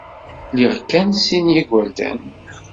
Liɣ kan sin n yigerdan.